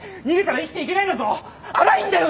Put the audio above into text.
荒いんだよ。